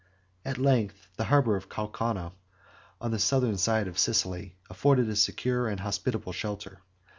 At length the harbor of Caucana, 13 on the southern side of Sicily, afforded a secure and hospitable shelter.